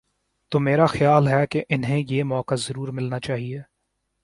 تو میرا خیال ہے کہ انہیں یہ موقع ضرور ملنا چاہیے۔